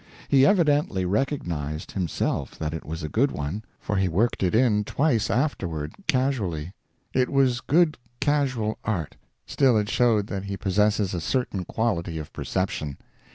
He evidently recognized, himself, that it was a good one, for he worked it in twice afterward, casually. It was not good casual art, still it showed that he possesses a certain quality of perception.